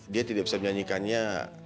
dia tidak bisa menyanyikannya